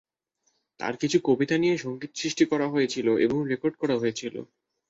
তার কিছু কবিতা নিয়ে সংগীত সৃষ্টি করা হয়েছিল এবং রেকর্ড করা হয়েছিল।